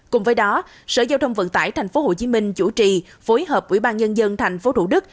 cùng với đó sở giao thông vận tải tp hcm chủ trì phối hợp ủy ban nhân dân tp thủ đức